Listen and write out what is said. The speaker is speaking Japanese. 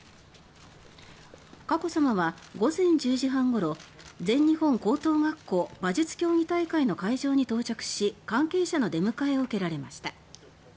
佳子さまは午前１０時半ごろ「全日本高等学校馬術競技大会」の会場に到着し関係者の出迎えを受けられました。